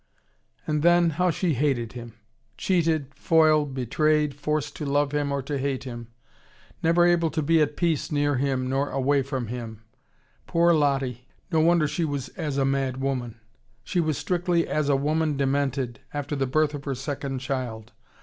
And then, how she hated him! Cheated, foiled, betrayed, forced to love him or to hate him: never able to be at peace near him nor away from him: poor Lottie, no wonder she was as a mad woman. She was strictly as a woman demented, after the birth of her second child.